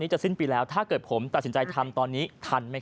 จะสิ้นปีแล้วถ้าเกิดผมตัดสินใจทำตอนนี้ทันไหมค